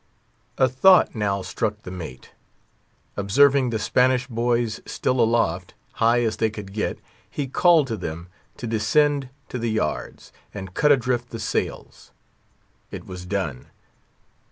A thought now struck the mate. Observing the Spanish boys still aloft, high as they could get, he called to them to descend to the yards, and cut adrift the sails. It was done.